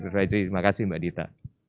terima kasih mbak dita